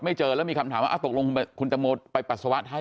เจอแล้วมีคำถามว่าตกลงคุณตังโมไปปัสสาวะท้าย